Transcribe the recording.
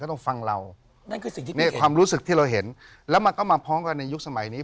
ต้องฟังเรานั่นคือสิ่งที่ความรู้สึกที่เราเห็นแล้วมันก็มาพร้อมกันในยุคสมัยนี้